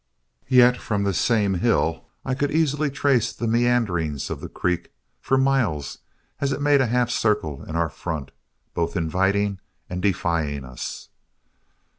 Yet from this same hill I could easily trace the meanderings of the creek for miles as it made a half circle in our front, both inviting and defying us.